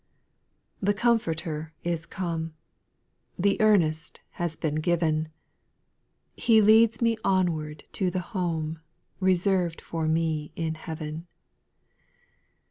4. The Comforter is come, The earnest has been given ; He leads me onward to the home, Reserved for me in heaven, 5.